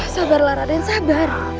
sabarlah raden sabar